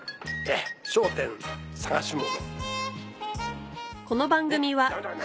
『笑点』探し物。